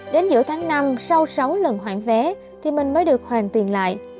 đến giữa tháng năm sau sáu lần hoãn vé thì mình mới được hoàn tiền lại